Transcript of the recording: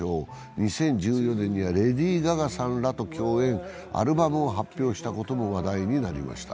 ２０１４年にはレディー・ガガさんらと共演、アルバムを発表したことも話題になりました。